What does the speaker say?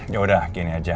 ya udah gini aja